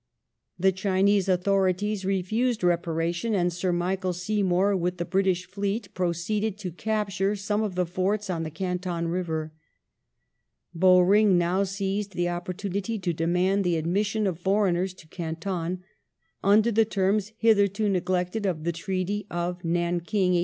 The Chinese authorities refused reparation and Sir Michael Seymour, with the British fleet, proceeded to capture some of the forts on the Canton river. Bowring now seized the oppor tunity to demand the admission of foreigners to Canton, under the terms, hitherto neglected, of the Treaty of Nankin (1842).